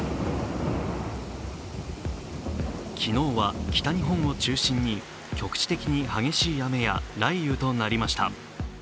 昨日は北日本を中心に局地的に激しい雨や雷雨となりました。